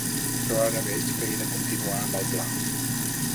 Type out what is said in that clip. Però ara veig que he de continuar amb el pla.